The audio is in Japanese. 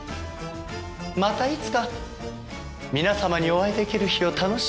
またいつか皆様にお会い出来る日を楽しみに。